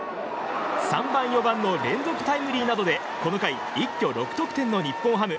３番、４番の連続タイムリーなどでこの回、一挙６得点の日本ハム。